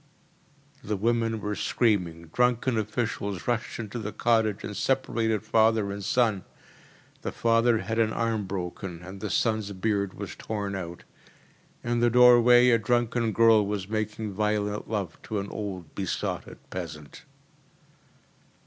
‚ÄĚ The women were screaming. Drunken officials rushed into the cottage and separated father and son. The father had an arm broken and the son’s beard was torn out. In the doorway a drunken girl was making violent love to an old besotted peasant.